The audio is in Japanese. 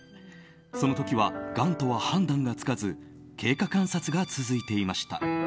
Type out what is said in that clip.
その時はがんとは判断がつかず経過観察が続いていました。